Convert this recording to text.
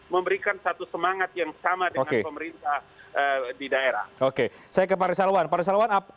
memberikan satu semangat yang sama dengan pemerintah di daerah oke saya ke pak risalwan pak risalwan